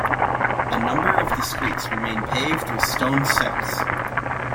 A number of the streets remain paved with stone setts.